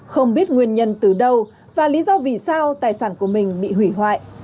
không biết nguyên nhân từ đâu và lý do vì sao tài sản của mình bị hủy hoại